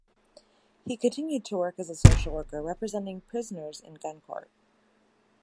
He continued to work as a social worker representing prisoners in Gun Court.